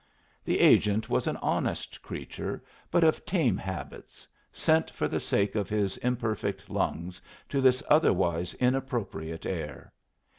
The agent was an honest creature, but of tame habits, sent for the sake of his imperfect lungs to this otherwise inappropriate air.